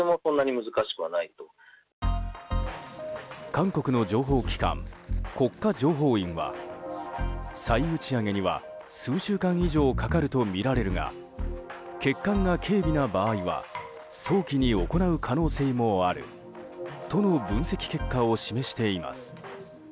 韓国の情報機関、国家情報院は再打ち上げには数週間以上かかるとみられるが欠陥が軽微な場合は早期に行う可能性もあるとの分析結果を示しています。